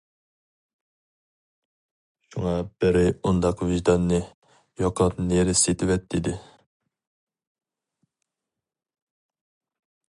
شۇڭا بىرى ئۇنداق ۋىجداننى، يوقات نېرى سېتىۋەت دېدى.